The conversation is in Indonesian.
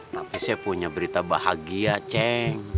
tapi saya punya berita bahagia ceng